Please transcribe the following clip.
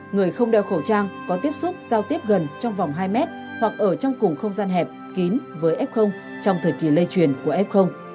người không đeo khẩu trang có tiếp xúc giao tiếp gần trong vòng hai mét hoặc ở trong cùng không gian hẹp kín với f trong thời kỳ lây truyền của f